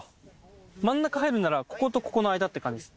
真ん中入るんならこことここの間って感じです。